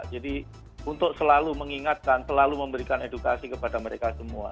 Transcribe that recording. jadi untuk selalu mengingatkan selalu memberikan edukasi kepada mereka semua